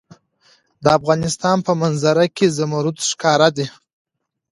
د افغانستان په منظره کې زمرد ښکاره ده.